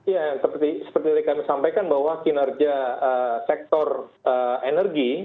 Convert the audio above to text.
ya seperti yang kami sampaikan bahwa kinerja sektor energi